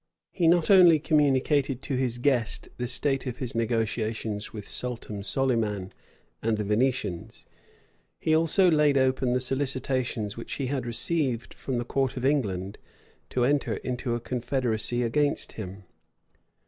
He not only communicated to his guest the state of his negotiations with Sultan Solyman and the Venetians; he also laid open the solicitations which he had received from the court of England to enter into a confederacy against him.